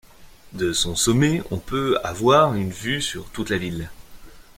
De son sommet, on peut avoir une vue sur toute la ville.